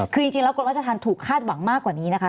คือจริงแล้วกรมราชธรรมถูกคาดหวังมากกว่านี้นะคะ